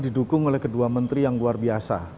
didukung oleh kedua menteri yang luar biasa